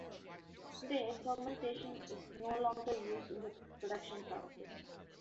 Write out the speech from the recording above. Today fermentation is no longer used in the production process.